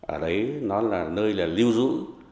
ở đấy nó là nơi là lưu rũ